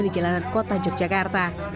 di jalanan kota yogyakarta